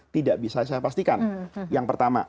tidak bisa saya pastikan yang pertama